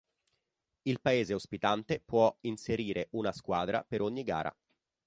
Il paese ospitante può inserire una squadra per ogni gara.